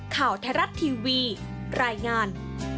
ข่าวไทยรัฐทีวีรายงาน